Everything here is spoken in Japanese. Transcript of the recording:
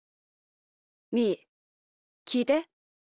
みーきいて。